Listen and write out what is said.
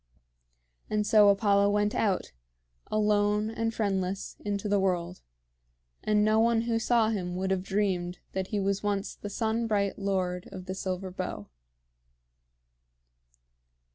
And so Apollo went out, alone and friendless, into the world; and no one who saw him would have dreamed that he was once the sun bright Lord of the Silver Bow.